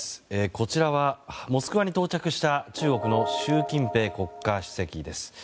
こちらはモスクワに到着した中国の習近平国家主席です。